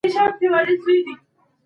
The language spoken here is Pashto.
مثال ئې د قيامت د ورځي د تاريکۍ غوندي دی.